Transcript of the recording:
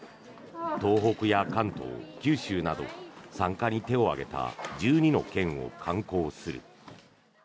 東北や関東、九州など参加に手を挙げた１２の県を観光する。